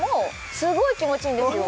すごい気持ちいいんですよ